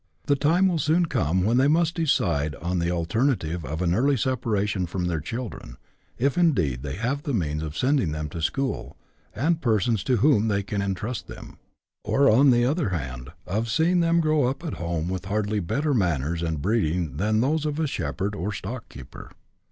The time will soon come when they must decide on the alter native of an early separation from their children (if indeed they have the means of sending them to school, and persons to whom they can entrust them), or, on the other hand, of seeing them grow up at home with hardly better manners and breeding than those of a shepherd or stock keeper.